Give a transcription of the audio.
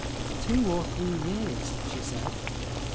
Two or three years, she said.